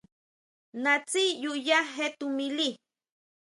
Naʼtsi ʼyu ya je tuʼmili.